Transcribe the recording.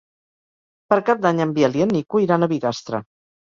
Per Cap d'Any en Biel i en Nico iran a Bigastre.